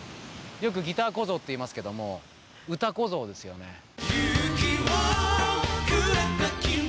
よくギター小僧って言いますけども歌小僧ですよね。